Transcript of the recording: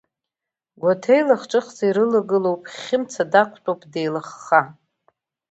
Гәаҭеи лахҿыхӡа ирылагылоуп, Хьымца дақәтәоуп деилыхха.